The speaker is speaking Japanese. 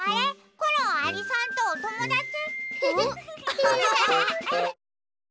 コロンアリさんとおともだち？